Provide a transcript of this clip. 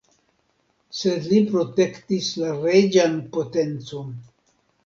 Sed li protektis la reĝan potencon.